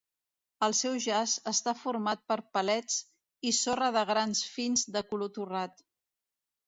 El seu jaç està format per palets i sorra de grans fins de color torrat.